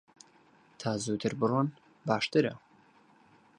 تا زووتر بڕۆن باشترە.